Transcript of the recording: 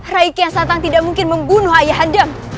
raike yang satang tidak mungkin membunuh ayah anda